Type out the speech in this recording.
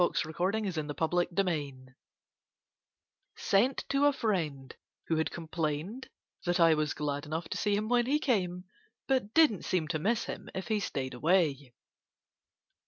[Picture: Sighing at the table] A VALENTINE [Sent to a friend who had complained that I was glad enough to see him when he came, but didn't seem to miss him if he stayed away.